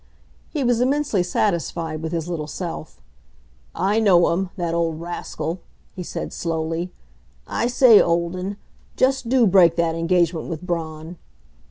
He was immensely satisfied with his little self. "I know him that old rascal," he said slowly. "I say, Olden, just do break that engagement with Braun."